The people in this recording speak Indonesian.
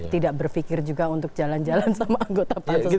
tidak berpikir juga untuk jalan jalan sama anggota pansus